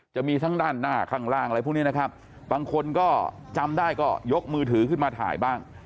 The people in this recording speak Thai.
จะมีทั้งด้านหน้าข้างล่างอะไรพวกนี้นะครับบางคนก็จำได้ก็ยกมือถือขึ้นมาถ่ายบ้าง